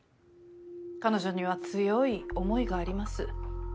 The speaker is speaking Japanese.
彼女には強い思いがあります。